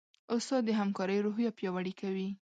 استاد د همکارۍ روحیه پیاوړې کوي.